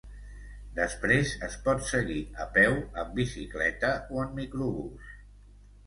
Després es pot seguir a peu, amb bicicleta o en microbús.